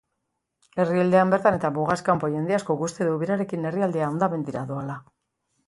Herrialdean bertan eta mugaz kanpo jende askok uste du berarekin herrialdea hondamendira doala.